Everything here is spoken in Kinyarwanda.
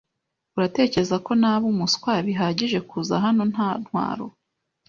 Uratekereza ko naba umuswa bihagije kuza hano nta ntwaro?